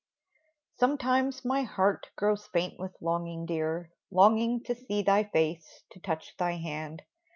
Sometimes my heart grows faint with longing, dear — Longing to see thy face, to touch thy hand.